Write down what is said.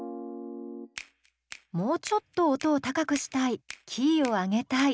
もうちょっと音を高くしたいキーを上げたい。